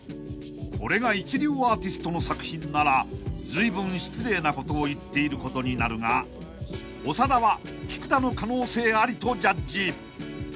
［これが一流アーティストの作品ならずいぶん失礼なことを言っていることになるが長田は菊田の可能性ありとジャッジ］